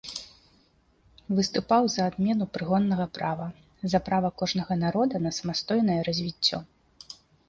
Выступаў за адмену прыгоннага права, за права кожнага народа на самастойнае развіццё.